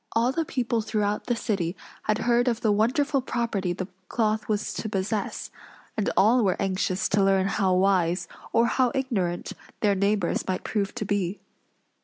All the people throughout the city had heard of the wonderful property the cloth was to possess; and all were anxious to learn how wise, or how ignorant, their neighbors might prove to be.